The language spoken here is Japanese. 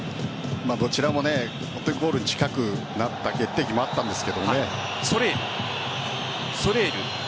どちらもゴールに近くなった決定機もあったんですが。